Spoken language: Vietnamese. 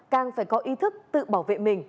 càng phải có ý thức tự bảo vệ mình